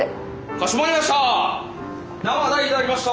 かしこまりました！